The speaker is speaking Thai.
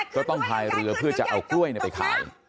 ก็ต้องพายเรือเพื่อจะเอากล้วยไปขาย